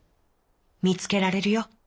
「みつけられるよ。